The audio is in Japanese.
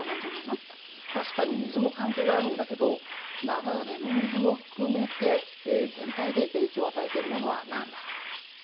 確かに水も関係があるんだけど流れる水も含めて全体で影響を与えてるものは何だろう？